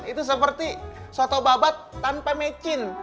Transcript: itu seperti soto babat tanpa mecin